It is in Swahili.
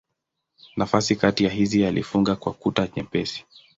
Nafasi kati ya hizi alifunga kwa kuta nyepesi.